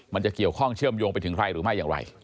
มันจะเกี่ยวข้องเชื่อมโยงไปถึงใครหรือไม่อย่างไร